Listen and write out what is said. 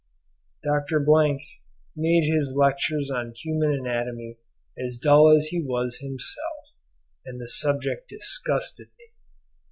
Dr.—— made his lectures on human anatomy as dull as he was himself, and the subject disgusted me.